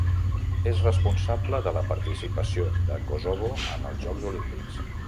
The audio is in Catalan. És responsable de la participació de Kosovo en els Jocs Olímpics.